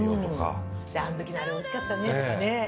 あの時のあれおいしかったねとかね。